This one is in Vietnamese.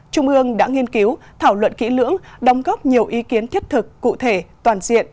trung ương đã nghiên cứu thảo luận kỹ lưỡng đồng góp nhiều ý kiến thiết thực cụ thể toàn diện